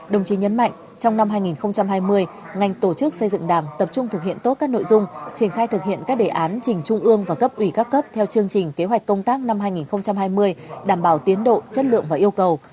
đồng chí nhấn mạnh trong năm hai nghìn hai mươi ngành tổ chức xây dựng đảng tập trung thực hiện tốt các nội dung triển khai thực hiện các đề án trình trung ương và cấp ủy các cấp theo chương trình kế hoạch công tác năm hai nghìn hai mươi đảm bảo tiến độ chất lượng và yêu cầu